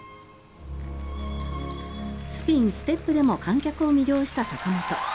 スピン、ステップでも観客を魅了した坂本。